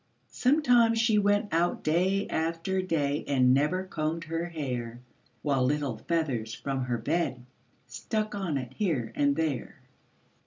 Sometimes she went day after day And never combed her hair, While little feathers from her bed Stuck on it here and there.